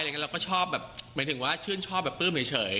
เราก็ชอบแบบหมายถึงว่าชื่นชอบแบบปลื้มเฉย